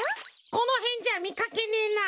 このへんじゃみかけねえな。